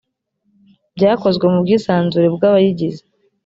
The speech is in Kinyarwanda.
byakozwe mu bwisanzure bwabayigize